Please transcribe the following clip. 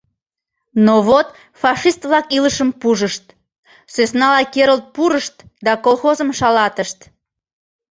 Но вот фашист-влак илышым пужышт: сӧснала керылт пурышт да колхозым шалатышт.